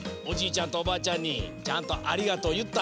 ちゃんとおばあちゃんにちゃんと「ありがとう」いった？